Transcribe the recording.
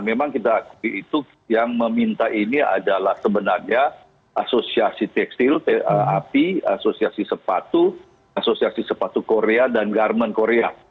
memang kita akui itu yang meminta ini adalah sebenarnya asosiasi tekstil api asosiasi sepatu asosiasi sepatu korea dan garmen korea